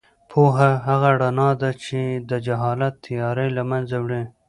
پوهه هغه رڼا ده چې د جهالت تیارې له منځه وړي.